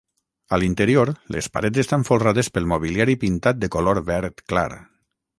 A l'interior les parets estan folrades pel mobiliari pintat de color verd clar.